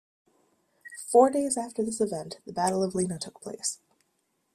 Four days after this event, the Battle of Lena took place.